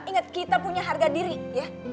ingat kita punya harga diri ya